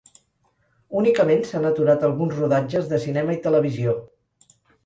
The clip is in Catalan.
Únicament s'han aturat alguns rodatges de cinema i televisió.